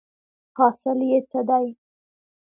حاصل یې څه دی ؟